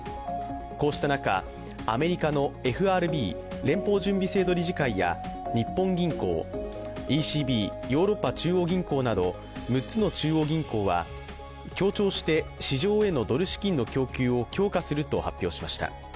こうした中、アメリカＦＲＢ＝アメリカ連邦準備制度理事会や日本銀行、ＥＣＢ＝ヨーロッパ中央銀行など６つの中央銀行は協調して市場へのドル資金の供給を強化すると発表しました。